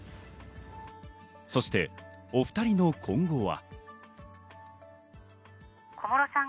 そしてお２人の今後は。